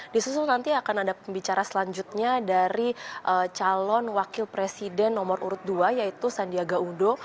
disusul nanti akan ada pembicara selanjutnya dari calon wakil presiden nomor urut dua yaitu sandiaga uno